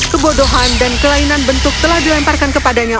kebodohan dan kelainan bentuk telah dilemparkan kepadanya